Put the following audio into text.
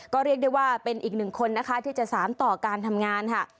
ก็เรียกได้ว่าเป็นอีกหนึ่งคนนะคะที่จะสารต่อการทำงานค่ะ